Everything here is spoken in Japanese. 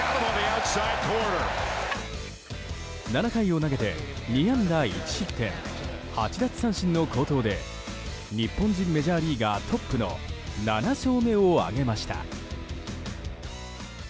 ７回を投げて２安打１失点８奪三振の好投で日本人メジャーリーガートップの７勝目を挙げました。